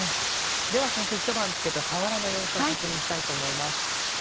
では先生ひと晩漬けたさわらの様子を確認したいと思います。